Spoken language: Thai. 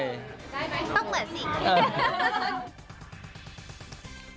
ต้องเหมือนสิ